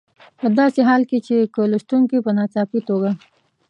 په داسې حال کې چې که لوستونکي په ناڅاپي توګه.